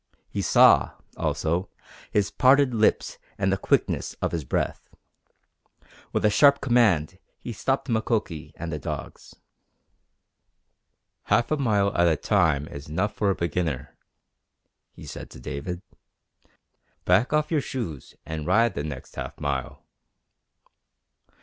He saw, also, his parted lips and the quickness of his breath. With a sharp command he stopped Mukoki and the dogs. "Half a mile at a time is enough for a beginner," he said to David. "Back off your shoes and ride the next half mile."